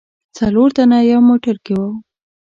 څلور تنه یو موټر کې و.